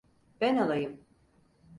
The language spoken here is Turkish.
Ben alayım.